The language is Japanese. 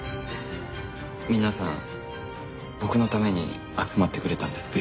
皆さん僕のために集まってくれたんですか？